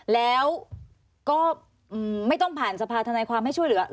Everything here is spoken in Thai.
แล้วก็ไม่ต้องผ่านสภาธนายความให้ช่วยเหลือ